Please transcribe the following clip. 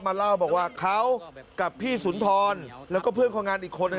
เล่าบอกว่าเขากับพี่สุนทรแล้วก็เพื่อนคนงานอีกคน